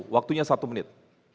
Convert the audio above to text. waktunya satu menit